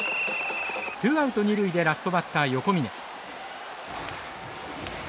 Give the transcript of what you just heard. ツーアウト二塁でラストバッター横峯。